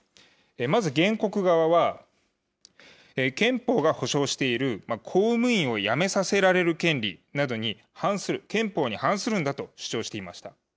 まず原告側は、憲法が保障している公務員をやめさせられる権利などに反する、憲法に反するんだと主張していました。